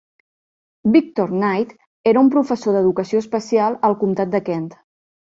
Victor Knight era un professor d"educació especial al comtat de Kent.